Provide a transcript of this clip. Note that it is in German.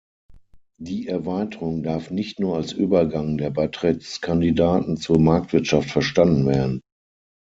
Die Erweiterung darf nicht nur als Übergang der Beitrittskandidaten zur Marktwirtschaft verstanden werden.